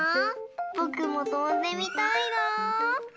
ぼくもとんでみたいな。